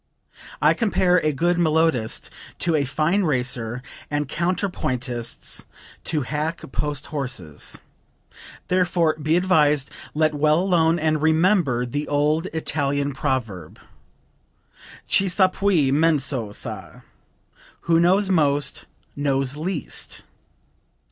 I compare a good melodist to a fine racer, and counterpointists to hack post horses; therefore be advised, let well alone and remember the old Italian proverb: Chi sa piu, meno sa 'Who knows most, knows least.'"